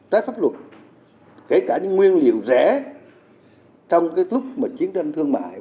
tái pháp luật kể cả những nguyên liệu rẻ trong lúc chiến tranh thương mại